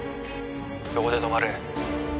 そこで止まれ。